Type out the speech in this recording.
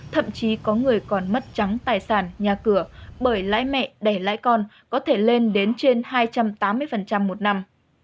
thậm chí có người còn mất trắng tài sản nhà cửa bởi lãi mẹ đẻ lãi con có thể lên đến trên hai trăm tám mươi một năm